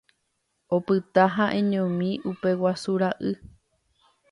Opyta ha'eñomi upe guasu ra'y.